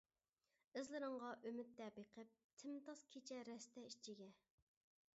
ئىزلىرىڭغا ئۈمىدتە بېقىپ، تىمتاس كېچە رەستە ئىچىگە.